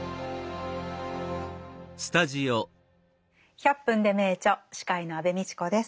「１００分ｄｅ名著」司会の安部みちこです。